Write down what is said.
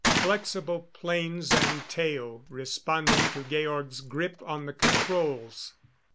Flexible 'planes and tail, responding to Georg's grip on the controls.